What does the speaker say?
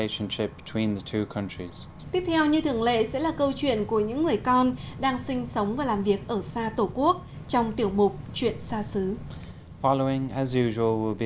tiếp theo như thường lệ sẽ là câu chuyện của những người con đang sinh sống và làm việc ở xa tổ quốc trong tiểu mục chuyện xa xứ